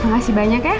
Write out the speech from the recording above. makasih banyak ya